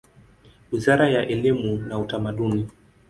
Wizara ya elimu na Utamaduni.